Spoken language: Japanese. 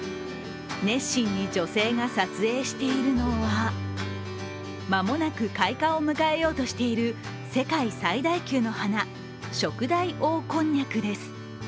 熱心に女性が撮影しているのは間もなく開花を迎えようとしている世界最大級の花、ショクダイオオコンニャクです。